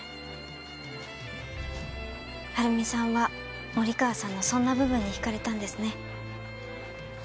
晴美さんは森川さんのそんな部分に惹かれたんですね。